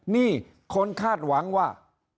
นี่คนคาดหวังว่า